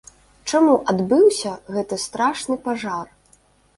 Чаму адбыўся гэты страшны пажар?